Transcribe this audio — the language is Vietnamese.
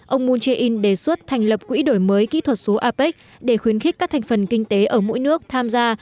ông moon jae in đề xuất thành lập quỹ đổi mới kỹ thuật số apec để khuyến khích các thành phần kinh tế ở mỗi nước tham gia